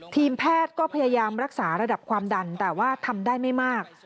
ทีมแพทย์ก็พยายามรักษาระดับความดันแต่ว่าทำได้ไม่มาก